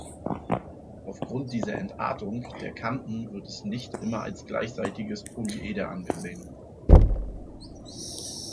Aufgrund dieser Entartung der Kanten wird es nicht immer als gleichseitiges Polyeder angesehen.